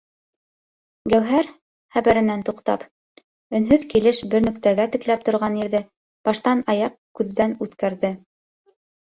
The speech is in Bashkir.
Гәүһәр, хәбәренән туҡтап, өнһөҙ килеш бер нөктәгә текәлеп торған ирҙе баштан-аяҡ күҙҙән үткәрҙе.